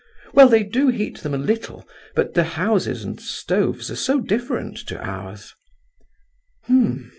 "Well, they do heat them a little; but the houses and stoves are so different to ours."